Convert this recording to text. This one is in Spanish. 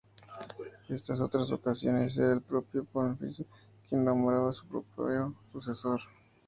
En otras ocasiones era el propio Pontífice quien nombraba a su propio sucesor.